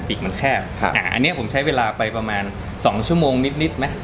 พี่บริจาคไปเยอะแล้วน้องเอ้ย